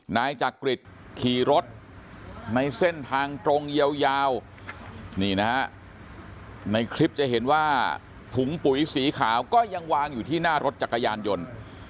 นายจักริตขี่รถในเส้นทางตรงยาวนี่นะฮะในคลิปจะเห็นว่าถุงปุ๋ยสีขาวก็ยังวางอยู่ที่หน้ารถจักรยานยนต์